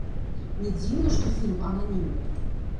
Не дзіўна, што фільм ананімны.